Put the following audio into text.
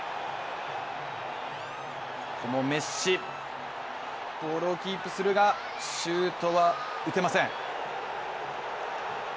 ここもメッシ、ボールをキープするが、シュートは打てません。